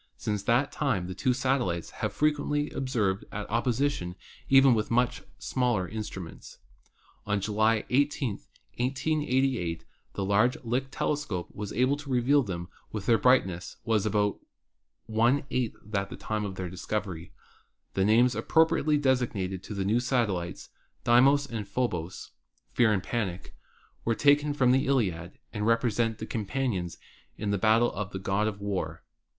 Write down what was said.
Since that time the two satellites have been frequently observed at opposition even with much smaller instruments. On July 18, 1888, the large Lick telescope was able to reveal them when their brightness was only about one eighth that at the time of their discovery. The names appropriately assigned to the new satellites, Deimos and Phobos (Fear and Panic), were taken from the Iliad and represent the companions in battle of the God of War.